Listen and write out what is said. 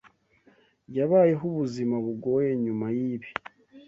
Yabayeho ubuzima bugoye nyuma yibi.